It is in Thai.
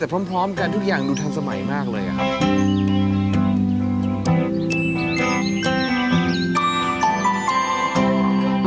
แต่พร้อมกันทุกอย่างดูทันสมัยมากเลยครับ